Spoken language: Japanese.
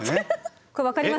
これ分かりますか？